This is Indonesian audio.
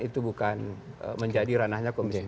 itu bukan menjadi ranahnya komisi dua